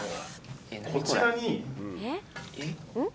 こちらに。